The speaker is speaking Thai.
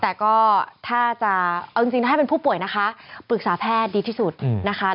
แต่ก็ถ้าจะเอาจริงถ้าให้เป็นผู้ป่วยนะคะปรึกษาแพทย์ดีที่สุดนะคะ